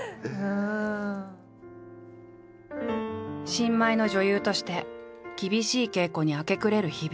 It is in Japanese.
新米の女優として厳しい稽古に明け暮れる日々。